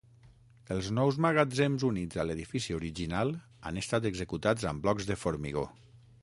Els nous magatzems units a l'edifici original han estat executats amb blocs de formigó.